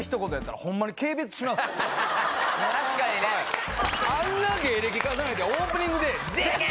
確かにねあんな芸歴重ねてオープニングで「絶景！」